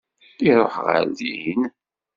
Iruḥ ɣer din?